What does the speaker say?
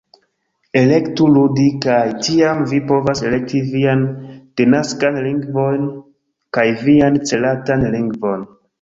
Elektu "ludi" kaj tiam vi povas elekti vian denaskan lingvon kaj vian celatan lingvon